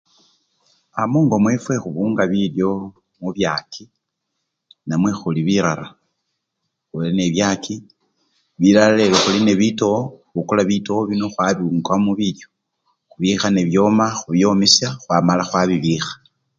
A! mungo mwefwe khubunga bilyo mubyaki namwe khuri birara, khubele nebibyaki, bilala lelo khuli nende bitowo, khukula bitowo bino khwabungamo bilyo byekha nebyoma, khubyomisya mala khwabibikha.